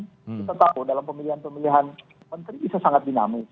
kita tahu dalam pemilihan pemilihan menteri bisa sangat dinamis